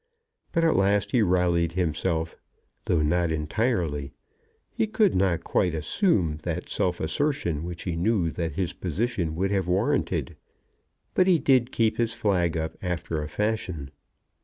But at last he rallied himself, though not entirely. He could not quite assume that self assertion which he knew that his position would have warranted; but he did keep his flag up after a fashion.